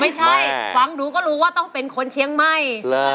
ไม่ใช่ฟังหนูก็รู้ว่าต้องเป็นคนเชียงใหม่